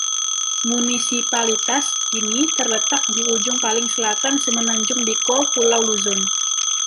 Munisipalitas ini terletak di ujung paling selatan Semenanjung Bicol Pulau Luzon.